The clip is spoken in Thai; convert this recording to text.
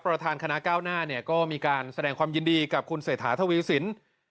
ประทานคณะเก้าหน้าก็มีการแสดงความยินดีกับคุณเสถาธวิวสิน